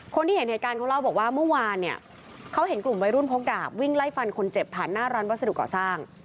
คนที่เห็นเหตุการณ์เขาเล่าบอกว่าเมื่อวานเนี่ยเขาเห็นกลุ่มวัยรุ่นพกดาบวิ่งไล่ฟันคนเจ็บผ่านหน้าร้านวัสดุก่อสร้าง